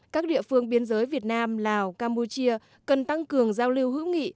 các địa phương biên giới việt nam lào campuchia cần tăng cường giao lưu hữu nghị